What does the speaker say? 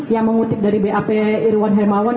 yang mengutip dari bap irwan hermawan